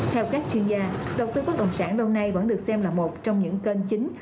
theo các chuyên gia đầu tư bất động sản lâu nay vẫn được xem là một trong những kênh chính